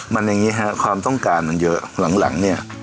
มันอย่างนี้ฮะความต้องการมันเยอะหลังเนี่ย